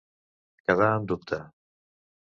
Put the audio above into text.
Quedar en dubte.